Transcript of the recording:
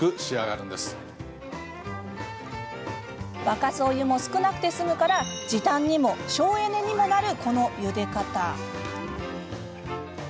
沸かすお湯も少なくて済むから時短にも省エネにもなるこのゆで方。